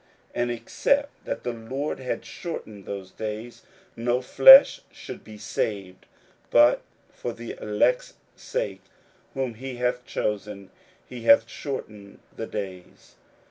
41:013:020 And except that the Lord had shortened those days, no flesh should be saved: but for the elect's sake, whom he hath chosen, he hath shortened the days.